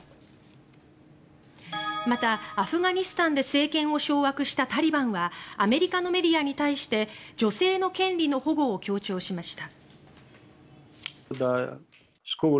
また、アフガニスタンで政権を掌握したタリバンはアメリカのメディアに対して女性の権利の保護を強調しました。